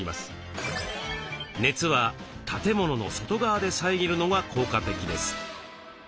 熱は建物の外側で遮るのが効果的です。